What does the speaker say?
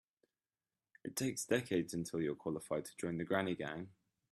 It takes decades until you're qualified to join the granny gang.